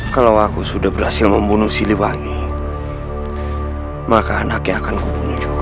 kalau aku sudah berhasil membunuh si liwangi maka anaknya akan kubunuh juga